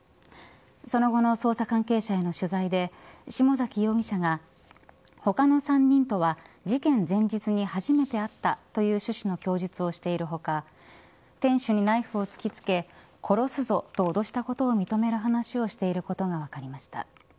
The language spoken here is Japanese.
その後の捜査関係者への取材で下崎容疑者が他の３人とは事件前日に初めて会ったという趣旨の供述をしている他店主にナイフを突きつけ殺すぞと脅したことを認める話をしていることが分かりました。